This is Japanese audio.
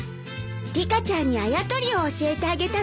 リカちゃんにあや取りを教えてあげたの。